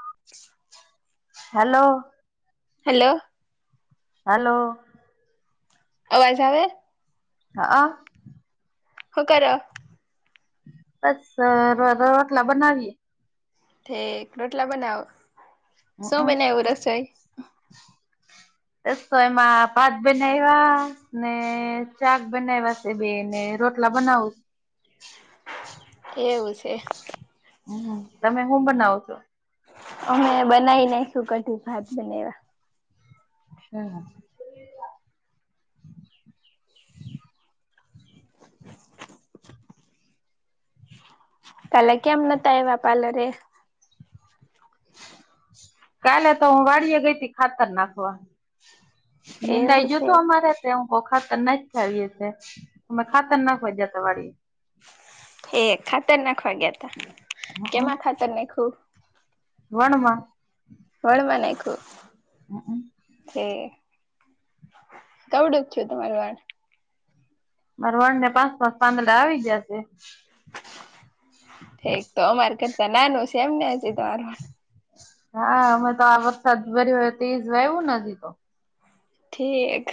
[inaudible] Hello hello hello આવાજ આવે હા હ હુ કરો બસ ર રોટલા બનાવી ઠ રોટલા બનાવો શું હમમ બનાવયુ રસોઈ રસોઈમાં ભાત બનવા ને સાક બનાવાયા બે ને રોટલા બનાવું એવું છે હ તમે હું બનાવો છો અમે બનાવીને શું કઢું ભાત બનેવાયા અચ્છા કાલે કેમ નહોતા આવ્યા પાલરે કાલે તો હું વાડીે ગઈ તી ખાતર નાખવા નિંદાઈ એવું છે જીયુંતું અમારે તે હું કુ ખાતર નાખિ આઇએ છીએ અમે ખાતર નાખવા જીયાતા વાડીએ. એ ખાતર નાખવા ગયા તા હમમ કેમાં ખાતર નાખયુ. વણમાં, વણ મા નાખ્યું. હમમ, ઠીક કવડું જ છું તમારું વાળ, મારા વણ ને પાસ પાચ પાંદડા આવી ગયા છે. ઠીક તો અમાર કરતા નાનું છે એમને હજી તમાર, હા અમે તો આ વરસાદ પર્યોય તે જ વાવું ને હજી તો, ઠીક,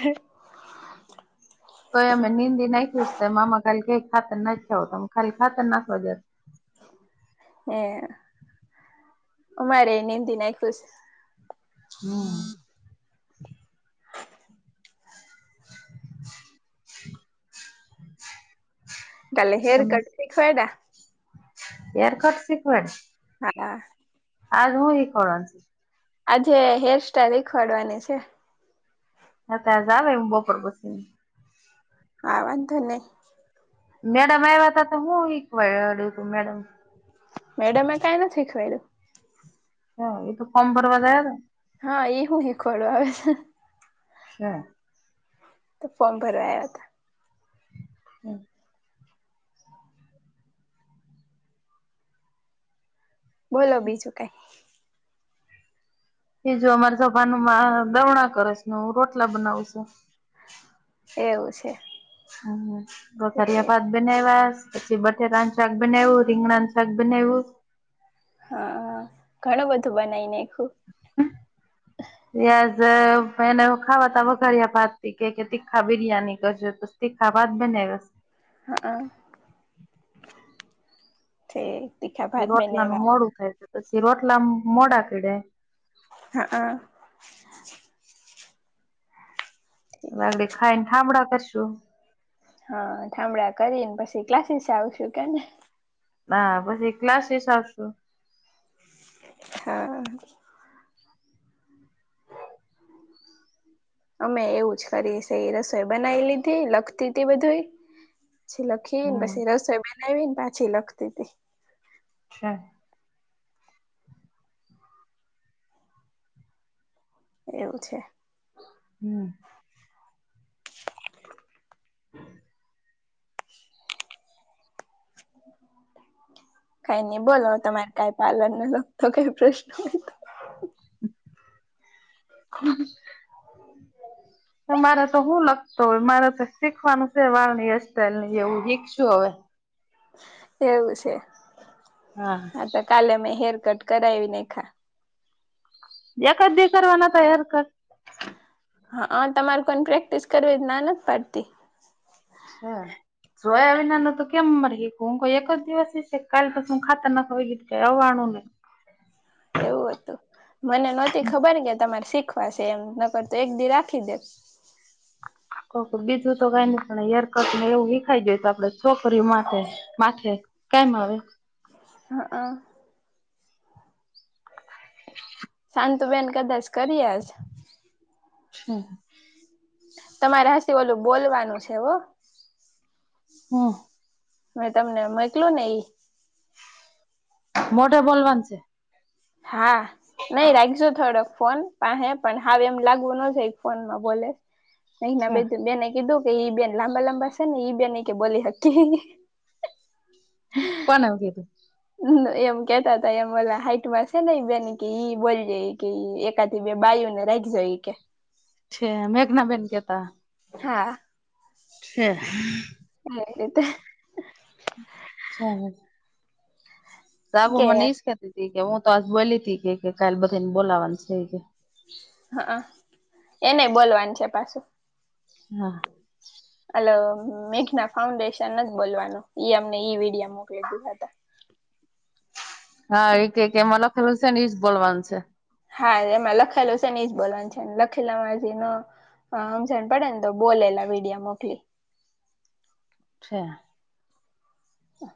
તોય અમે નિંદી નાયખૂશતા મામા ખાલી કે ખાતર નાખાવું તમે ખાલી ખાતર નાખવા ગયા તા. હે અમારે નિંદી નાયખૂ શ, હમ, કાલે હેર કટ શીખવાયડા. હેર કટ શીખવાય, હા, આજ હું શિખવાડસ. આજે હેર સ્ટાઈઇલ શીખવાડવાની છે. અત્યારેહ જાવે હું બોફર પસી, હા વાંધો નહીં. મેડમ આવ્યા હતા તો હું શિખવારડ્યું તું મેડમ, મેડમ એ કાઈ નથી શીખવાડ્યું. હા એ તો ફોમ ભરવા જાય તો, હા એ હું શીખવાડો આવે છે. હ, તો ફોર્મ ભરવાયા હતા. હમ, બોલો બીજું કાઈ, બીજું અમારે સભાનમાં દવણા કરે છે ને હું રોટલા બનાવું છું. એવું છે હ રોટલ એ [unintelligible] બાદ, બનાવ્યા પછી બટેટાનું શાક બનાવું, રીંગણાનું શાક બનાવું, હા ઘણું બધું બનાવી નાએખું. ત્યાજે એને ખાવાતા વઘારીયા ભાત કે કે તીખા બિરિયાની કરજો, તીખા ભાત બનાએવા છે. હા હ ઠીક તીખા ભાત રોટલાનું બનાએવા. મોડું થાય છે. પછી રોટલા મોડા કડેયા. હા હ, વાગડી ખાઈ ને ઠામડા કરશું. હા થામળા કરીને પછી ક્લાસીસ આવશું કેને, હા પછી ક્લાસિસ આવશું. હા, અમે એવું જ કરી છે એ રસોઈ બનાવી લીધી લખતી હતી બધું. પછી લખીને હમ પછી રસોઈ બનાવી ને પાછી લખતી હતી. છે. એવું છે. હમ, હમ, કઈ નઈ બોલો તમારે કાઈ પાર્લરને લગતો કઈ પ્રશ્ન હોય. હ, [inaudible] મારે તો શું લખતો હોય મારે તો શીખવાનું છે વાળની હેરસ્ટાઈઇલ એવું હિખશું હવે. એવું છે હા તો કાલે મેં હેર કટ કરાવી નાઇખા. એક જ દી કરવાના હતા હેરકટ. હા હ તમારે કોને પ્રેક્ટિસ કરવી ના નથ પાડતી. અચ્છા. સોયાબિનાનો તો કેમ મરી ક એક જ દિવસ હ છે કાલ પાસ ખાતા ના ખવા ગી આવવાણું નહી. એવું હતું મને નહોતી ખબર કે તમારે શીખવાશે એમ નકર તો એક દી રાખી દે. ઓકે બીજું તો કાંઈ ની પણ હેરકટને એવું હિખાઈ જાય તો આપડે છોકરીઓ માટે. માથે કેમ આવે? હ અહ. [inaudible] તને તો બેન કદાચ કરી આલસે. છું. તમારે હાસી ઓલું બોલવાનું છે હો. હમ્મ. મે તમને મોઇકલું ને ઇ. મોઢે બોલવાનું છે. હા, નહી રાઇકજો થોડોક. ફોન પાહે પણ હાવ એમ લાગવું ન જોઈએ કે ફોનમાં બોલે નૈના છે. બેને કીધું. ઈ બેન લાંબા લાંબા છે ને ઈ બેન કે બોલી હકી. કોણ આવું કેતુ તુ. એમ કેતા હતા એમ ઓલા હાઈટમાં છે ને બેન કે ઈ બોલી જાય કે ઇ એક એકાદી બે બાાઈઓને રાઇકશો ઈ કે. છે, મેઘના બેેન કેહતા. હા. છે. એ રીતે. ચાલો. સાબુ કે મને ઈજ કેતી તી કે હું તો આજ બોલી તી કે કા બધા ને બોલાવાનું છે કે. હા અ એને બોલવાનું છે પાછું. હા. અલો મેઘના ફાઉન્ડેશન નથ બોલવાનું ઇ અમને ઈ વિડીયો મોકલી દીધા હતા. હા, એક એમાં લખેલું છે ને એજ બોલવાનું છે. હા, એમાં લખાયેલુ છેને ઇજ બોલવાનું છે. લખેલામાં જે ન હા, હમજણ પડે ને તો બોલેલા વિડિયા મોકલી. છે. હા.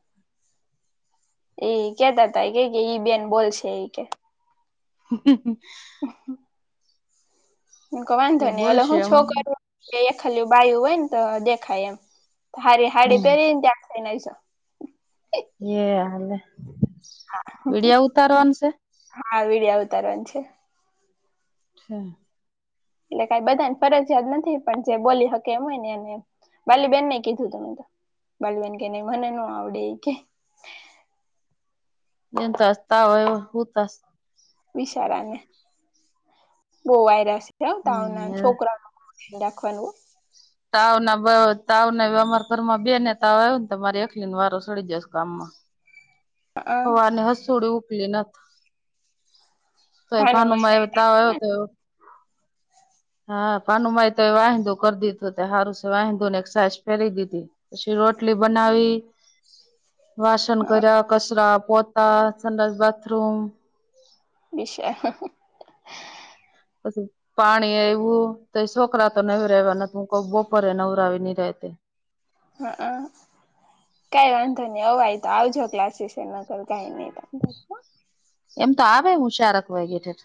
એ કેતા તા કે ઈ બેન બોલશે. ઇ કે હ. હ. હું કહુ તે વાંધો નહી હાલો બોલશે હું એમાં ચોકાટો. એ એક ખલું બાયું હોય ને તો દેખાય એમ. હારી હાડી હમ પહેરીને ત્યાં થાયને. એ હાલે, વિડીયા ઉતારવાનું છે? હા, વિડિયા ઉતારવાની છે. અચ્છા. એટલે કઈ બધાને ફરજિયાત નથી પણ જે બોલી હકે એમ હોય ને એને. બાલીબેન નેએ કીધું તુ મેં બાલીબેન કે ની મને નો આવડે એ કે. એનતો આજ તાવ આવ્યો હોતા સે. બીશારાને બહુ વાયરા સે હે તાવના હમ છોકરાઓનું ગ્રુપ. રાખવાનું. તાવના તાવ અમારા ઘરમાં બે ને તાવ આવ્યો, ને તમારે એકલીને વારો સડી જશે ગામમાં [inaudible] હવાને હસુડી ઉપલી નથી. તોએ ભાનુમા એ ભાનુમાંને બતાવ્યો તો હા, ભાનુમાએ તો એ વાંહેદો કરી દી તો હારું વાહેદુ ને સાસ ફેરી દીધી, પછી રોટલી બનાવી. વાસન હઅ કર્યા, કચરા પોતા, સંડાસ બાથરૂમ વિશે [unintelligible] પાણી એયવું તો છોકરા તો નવરાયવા નથી કે બપોરે નવરા આવી ની રાહતે હમ હ કઈ વાંધો નહી અવાય તો આવજો ક્લાસિસ નકર કઈ નઈ વાંધો. એમ તો આવે હું શારક વાગે ઠેક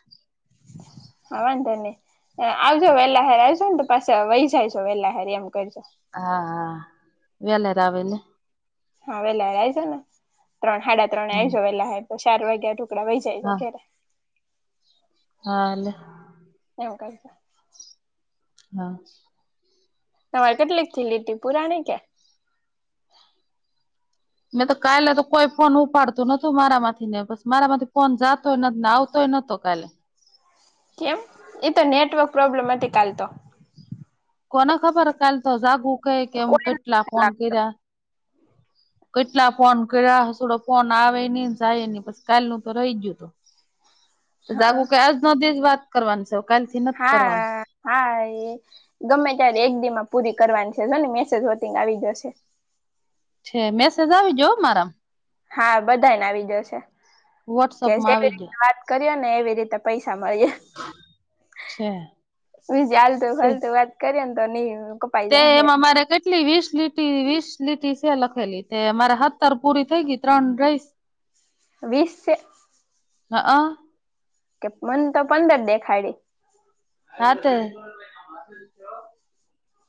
હા વાંધો નહી આવજો વેલા હેર આવજો ને તો પાછ વહી જાયજો વેલા હેર એમ કરજો. હા હા વેલરા આવે ને. હા વેહલા આ આવીજો ને ત્રણ હાડા ત્રણ હમ આયજો વેલા હ તો ચાર વાગ્યા ટુકડા વહી જાયજો ઘેરે. હાલે એવું કરજો. હા તમારે કેટલીક થી લીટી પુરાણી કે. મેં તો કાલે તો કોઈ ફોન ઉપાડતું નતુ મારા માંથી ને બસ મારા માંથી ફોન જાતો નથી ને આવ તો ન તો કાલે એમ એતો નેટવર્ક પ્રોબ્લેમ હતી કાલ તો. કોને ખબર કાલ તો જાગું કહે કે કોઈ કેટલા ફોન લાગતો કર્યા કેટલા ફોન કર્યા થોડો ફોન આવે નહી જાય નહી કાલ નું તો રહી ગયું હતું. [unintelligible] જાગું કે આજ નો દી જ વાત કરવાની છે. કાલ થી નથી કરવાની હા હા એ ગમે ત્યારે એક દી માં પૂરી કરવાની છે ને મેસેજ વટિંગ આવી જશે છે મેસેજ આવી જ્યો મારા હા બધાને આવી દયો છે કે વોટ્સઅપમાં જેવી આવી રીતે ગયો વાત કરીયે ને એવી રીતે પૈસા મળીએ. છે બીજી આલતું તે ફાલતુ વાત કરીને તો નહી કપાઈ તે જાહે એમા મારે કે કેટલી વીસ લીટી વીસ લીટી છે લખેલી તે મારે હતર પૂરી થઈ ગઈ ત્રણ રઈ. વીસ છે. હા હ કે મન તો પંદર દેખાડી હાત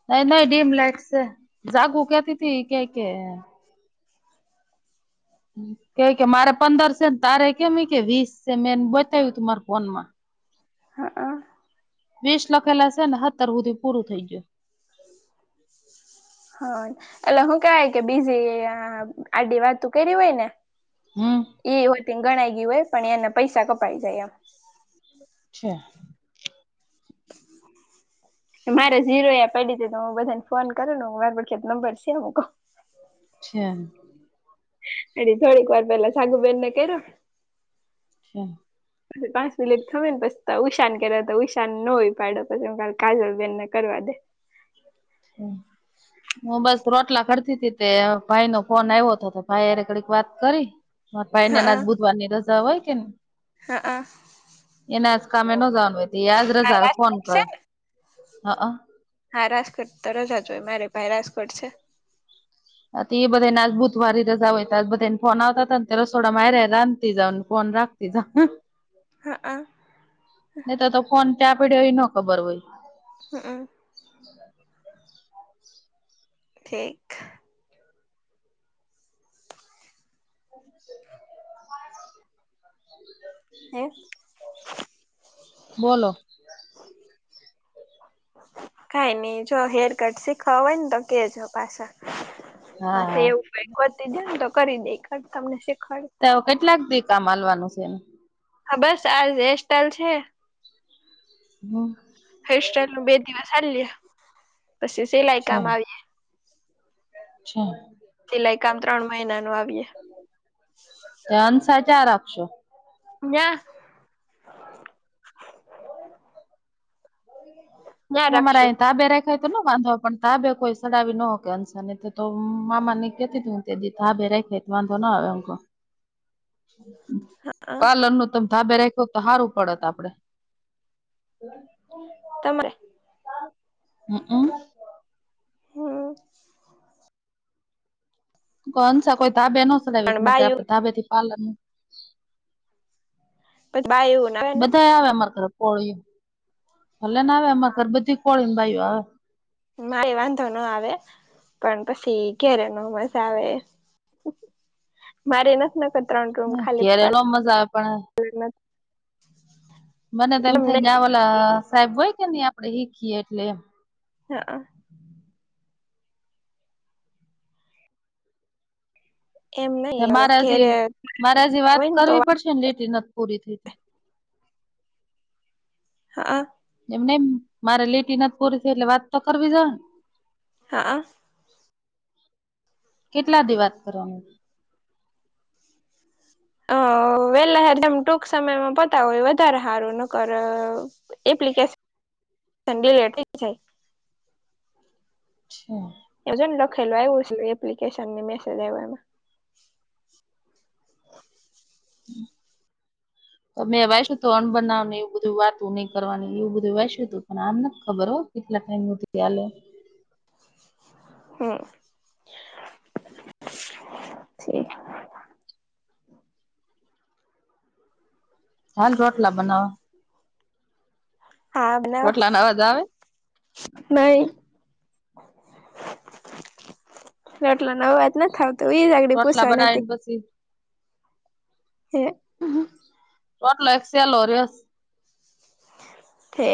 ન નહી ડીમ લાઈટ છે જાગું કતી ત ક કે કે કે મારે પંદર છેને તારે કેમ કે વીસ છે મેને બતાવ્યું તું મારા ફોન માં હા અ વીસ લખેલા છે ને હત્તર સુધી પૂરું થઈ ગયું. [unintelligible] હા એલે હું કવાય કે બીજી આડી વાત કરી હોય ને હમ એ હોય તે ગણાય ગય હોય પણ એના પૈસા કપાઈ જાય એમ છે મારે ઝીરો એ પડી છે તો હું બધાને ફોન કરો હ માર પછી નંબર છે મક અચ્છા અને થોડીક વાર પેલા સાગુબેનને કર્યો હા [inaudible] પાંચ મિનિટ થમે ને પછી ઉશાન કર્યા તો ઉશા નો ઉપાડ્યો પછી હ કા કાજલ બેનને કરવા દે હમ હું બસ રોટલા ઘડતી ત તે ભાઈ નો ફોન આવ્યો હતો ભાઈ હારે ઘડીક વાત કરી હ ભાઈને ના હા જ બુધવાર ની રજા હોય કેને હા હ એનાજ કામે ન જવાનું હોય એ આજ રજા ફોન રાજકોટ છે કર હ હા રાજકોટ તો રજા જ હોય મારે ભાઈ રાજકોટ છે ત બધેને આજ બુધવાર રજા હોય ત બધાને ફોન આવતા ને તો રસોડા માં હારે હારે રાંધતી જાઉં ફોન રાખ [unintelligible] હા હ નહી તો તો ફોન ક્યાં પડ્યો હોય એ ના ખબર હોય હમમ [inaudible] ઠીક હમ હે બોલો [inaudible] કઈ નઈ જો હેર કટ શીખવા હોય ને તો કેજો પાછા હા સે હા એવું ભ વધતી જ તો કરી દે કર તમને શીખવાડ ત હવે કેટલાક દી કામ હલવાનું છે એને હા બસ આજે એસ્ટ્ટાલ છે હ હેસ્ટલ નું બે દિવસ ચાલ્યા પછી સેલાઈ છે કામ આવીએ છે સિલાઈ કામ ત્રણ મહિના નું આવીએ અંસાં ચા રાખશો? ન્યા ન્યા હુ રાખશું અમારા ધાબે રાખશો દખાય તો ન વાંધો પણ તાબે કોઈ સડાવી ન હોકે અંશને તો મામા ની કેતી તું તેડી ધાબે રાખે તો વાંધો ના આવે હું કૌ હા પાર્લર નું મ ધાબે રાખ્યો તો સારું પડત આપડે તમે હમ હમ કો અંસા કોઈ ધાબે ન પણ બાયું સલાડે ધાબે થી પાલનું બાયું આવે ને બધા આવે અમારે ઘરે. કોળીઓ ભલે ને આવે એમાં ઘરબધી કોળી ને ભાઈઓ આવે મારી વાંધો ન આવે પણ પછી ઘેરે ન મજા આવે મારે નથી ત્રણ રૂમ ખાલી ઘેરે નો પાર્લર મજા આવે પણ [unintelligible] મને તો એમ થાય જા ઓલા સાહેબ હોય કે નહી આપડે શીખીએ એટલે એમ હા એમ નહી મારેજી ઘેરે મારેજી વાત હોય ને તો કરવી પડશે ને લીટી નથી પૂરી થઈ હા એમ નેમ મારે લેટી નથી પૂરી થ એટલે વાત તો કરવી જો હે ને. હા. કેટલા દ વાત કરવાનું? અ વેલા હરદમ ટૂંક સમયમાં પતા હોય વધારે સારું ન કર. એપ્લિકેશન સડે લેટ જાય. અચ્છા. એજ લખેલ આવી એપ્લિકેશન ને મેસેજમાં. હ. હ [inaudible] અમે વાચ્યું ત અન્ન બનાવવાને એવું બધું વાતું નહીં કરવાની એવું બધું વાંચ્યું હતું પણ આમ નથી ખબર હો. એટલે કાઈ મૂતિ આલ. હમ. છાલ રોટલા બનાવ. હા બનાવ, રોટલા નો અવાજ આવે નાઈ. રટલા ન વાત ના થ આવતું જાગડી રોટલા પૂછવા નથી. બનાવીને પછી તે ટોટલો એક સલો ર્યોસ. ઠ [unintelligible]